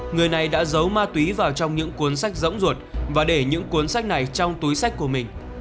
người này đã giấu ma túy vào trong những cuốn sách rỗng ruột và để những cuốn sách này trong túi sách của mình